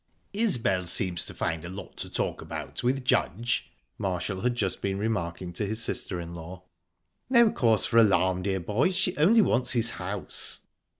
"Isbel seems to find a lot to talk about with Judge," Marshall had just been remarking to his sister in law. "No cause for alarm, dear boy she only wants his house."